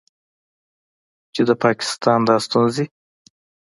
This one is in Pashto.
چې د پاکستان دا ستونځې